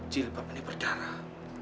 jilbab ini berdarah